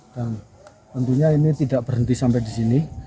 dan tentunya ini tidak berhenti sampai disini